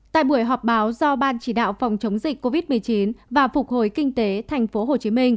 tại buổi họp báo do ban chỉ đạo phòng chống dịch covid một mươi chín và phục hồi kinh tế tp hcm